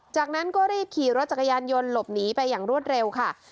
จากนั้นก็รีบขี่รถจักรยานยนต์หลบหนีไปอย่างรวดเร็วค่ะ